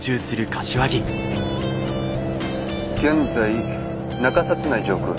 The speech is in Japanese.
現在中札内上空。